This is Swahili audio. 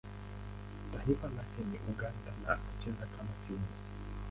Taifa lake ni Uganda na anacheza kama kiungo.